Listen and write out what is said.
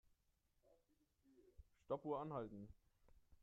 Stoppuhr anhalten.